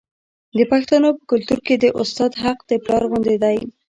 د پښتنو په کلتور کې د استاد حق د پلار غوندې دی.